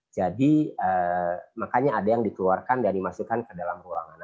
jadi makanya ada yang dikeluarkan dan dibilang masuknya ke dalam ruangan